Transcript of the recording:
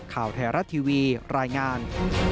ข่าวไทยรัฐทีวีรายงาน